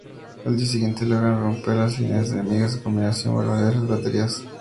Al día siguiente logran romper las líneas enemigas en combinación de bombarderos y baterías.